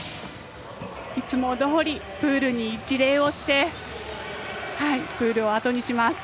いつもどおりプールに一礼をしてプールをあとにします。